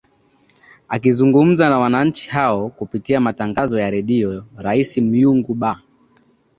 akizungumza na wananchi hao kupitia matangazo ya redio rais myungu bar